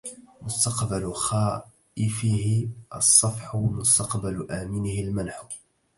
مستقبل خائفه الصفح مستقبل آمنه المنح